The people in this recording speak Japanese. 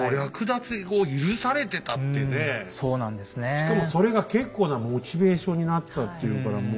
しかもそれが結構なモチベーションになってたっていうからもう。